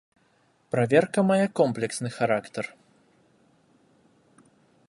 Праверка мае комплексны характар.